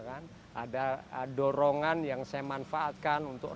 ada dorongan yang saya manfaatkan untuk